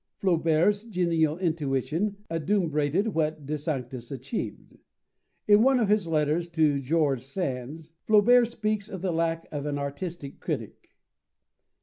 Flaubert's genial intuition adumbrated what De Sanctis achieved. In one of his letters to Georges Sand, Flaubert speaks of the lack of an artistic critic.